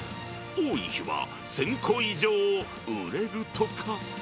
多い日は１０００個以上売れるとか。